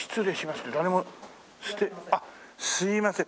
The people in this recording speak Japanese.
あっすいません。